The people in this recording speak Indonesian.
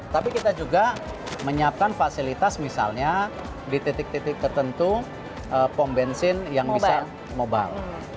tapi kita juga menyiapkan fasilitas misalnya di titik titik tertentu pom bensin yang bisa mobile